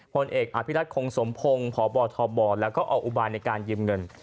ผลเอกอภิรัตคงสมพงศ์พบทบแล้วก็ออกอุบายในการยืมเงิน